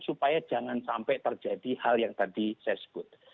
supaya jangan sampai terjadi hal yang tadi saya sebut